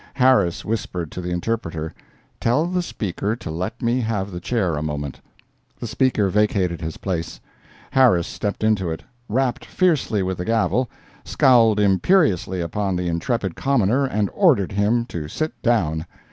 Harris whispered to the interpreter: "Tell the Speaker to let me have the chair a moment." The speaker vacated his place; Harris stepped into it, rapped fiercely with the gavel, scowled imperiously upon the intrepid commoner and ordered him to sit down.